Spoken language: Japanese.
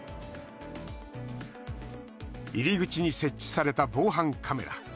入り口に設置された防犯カメラ。